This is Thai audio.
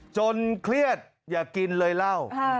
เครียดอย่ากินเลยเหล้า